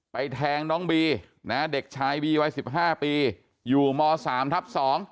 แทงน้องบีนะเด็กชายบีวัย๑๕ปีอยู่ม๓ทับ๒